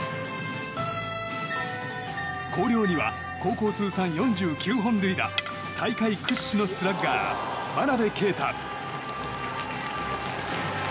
広陵には高校通算４９本塁打大会屈指のスラッガー、真鍋慧。